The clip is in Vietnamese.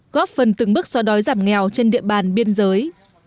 góp phần từng bước xóa đói giảm nghèo trên địa bàn biên giới